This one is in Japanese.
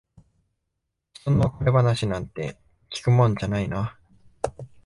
ひとの別れ話なんて聞くもんじゃないな。